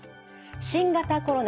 新型コロナ